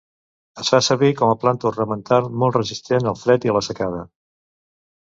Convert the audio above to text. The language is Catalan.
Es fa servir com a planta ornamental molt resistent al fred i la secada.